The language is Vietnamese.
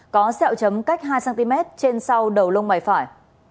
có xeo chấm cách hai cm trên sau đầu lông mày phải